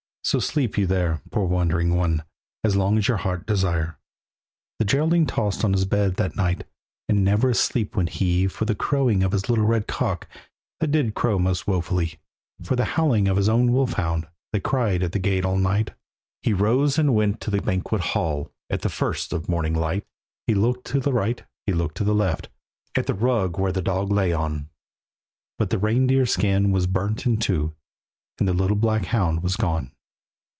"So sleep you there, poor wandering one, As long as your heart desire." The Geraldine tossed on his bed that night, And never asleep went he For the crowing of his little red cock, That did crow most woefully. For the howling of his own wolf hound, That cried at the gate all night. He rose and went to the banquet hall At the first of morning light. He looked to the right, he looked to the left, At the rug where the dog lay on; But the reindeer skin was burnt in two, And the little black hound was gone.